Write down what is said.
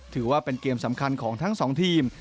ถือว่าเป็นเกมสำคัญของทั้งสองทีม